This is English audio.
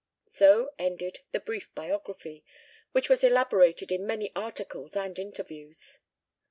So ended the brief biography, which was elaborated in many articles and interviews.